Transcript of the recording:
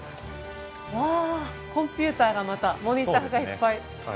わあコンピューターがまたモニターがいっぱい。